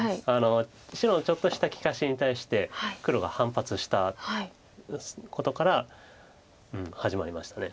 白のちょっとした利かしに対して黒が反発したことから始まりました。